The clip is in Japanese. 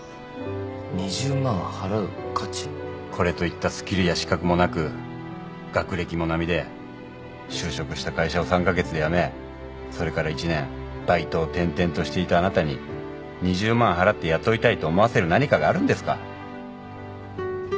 これといったスキルや資格もなく学歴も並で就職した会社を３カ月で辞めそれから１年バイトを転々としていたあなたに２０万払って雇いたいと思わせる何かがあるんですか？